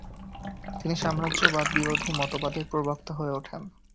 তিনি সাম্রাজ্যবাদবিরোধী মতবাদের প্রবক্তা হয়ে ওঠেন।